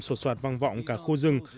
sột soạt vang vọng cả khu rừng